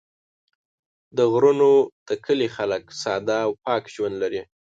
د غرونو د کلي خلک ساده او پاک ژوند لري.